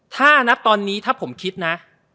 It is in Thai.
ถ้านับตอนนี้ถ้าผมคิดนะ